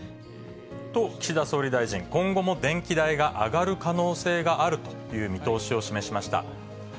と、岸田総理大臣、今後も電気代が上がる可能性があるという見通しを示しました。